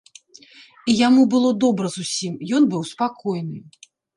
І яму было добра зусім, ён быў спакойны.